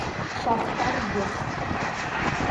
Шарттар юҡ.